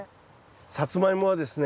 サツマイモはですね